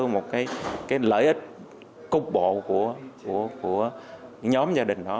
một cái lợi ích cục bộ của nhóm gia đình đó